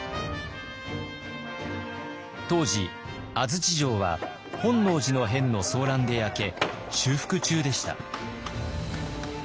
当時安土城は本能寺の変の争乱で焼け修復中でした。